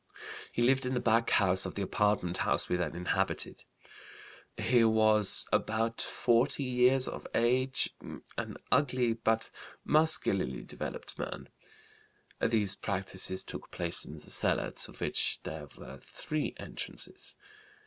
He lived in the back house of the apartment house we then inhabited. He was about 40 years of age, an ugly but muscularly developed man. These practices took place in the cellar, to which there were three entrances.